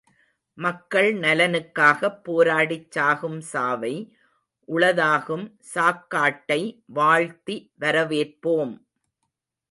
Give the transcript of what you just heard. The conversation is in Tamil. மக்கள் நலனுக்காகப் போராடிச் சாகும் சாவை உளதாகும் சாக்காட்டை வாழ்த்தி வரவேற்போம்!